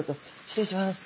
失礼します。